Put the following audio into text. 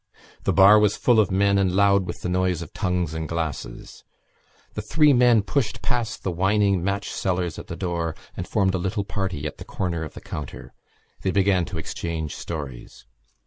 The bar was full of men and loud with the noise of tongues and glasses. The three men pushed past the whining match sellers at the door and formed a little party at the corner of the counter. They began to exchange stories.